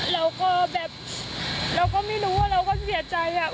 เราก็แบบเราก็ไม่รู้ว่าเราก็เสียใจอะ